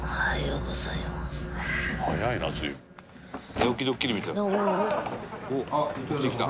「寝起きドッキリみたい」